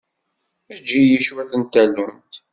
Eǧǧ-iyi cwiṭ n tallunt.